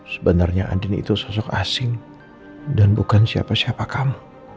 sebenarnya andin itu sosok asing dan bukan siapa siapa kamu